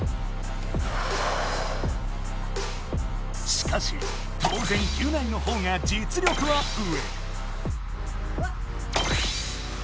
しかし当ぜんギュナイの方がじつ力は上。